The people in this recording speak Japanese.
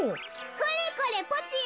「これこれポチよ